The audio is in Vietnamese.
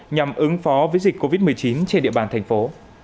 nhằm ứng phó với dịch covid một mươi chín trên địa bàn thành phố